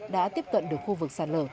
đã tiếp cận được khu vực sạt lở